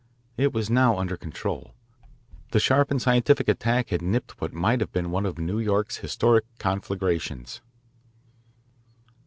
It was now under control. The sharp and scientific attack had nipped what might have been one of New York's historic conflagrations.